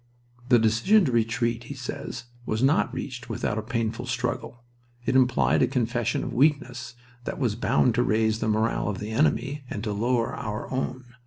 "The decision to retreat," he says, "was not reached without a painful struggle. It implied a confession of weakness that was bound to raise the morale of the enemy and to lower our own.